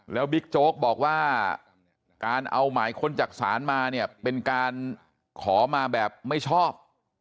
แล้วบิ๊กโจ๊กบอกว่าการเอาหมายค้นจากศาลมาเนี่ยเป็นการขอมาแบบไม่ชอบ